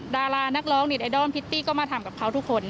ดารานักร้องเน็ตไอดอลพิตตี้ก็มาทำกับเขาทุกคน